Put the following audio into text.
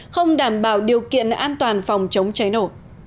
không đảm bảo điều kiện an toàn phòng chống cháy nổ